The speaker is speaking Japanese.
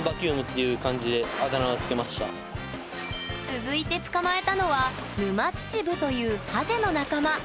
続いて捕まえたのはヌマチチブというハゼの仲間